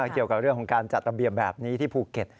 เกี่ยวกับเรื่องของการจัดระเบียบแบบนี้ที่ภูเก็ต